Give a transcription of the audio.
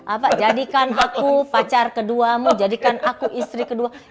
apa jadikan aku pacar kedua mu jadikan aku istri kedua gitu loh